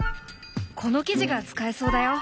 この生地が使えそうだよ。